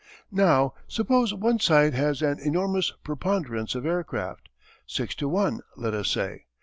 Now suppose one side has an enormous preponderance of aircraft six to one, let us say.